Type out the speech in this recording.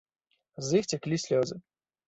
З іх цяклі слёзы.